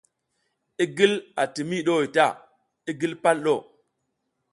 I gil ati miyi ɗuhoy ta, i gil pal ɗu.